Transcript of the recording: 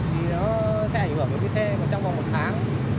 thì nó sẽ ảnh hưởng đến cái xe mà trong vòng một tháng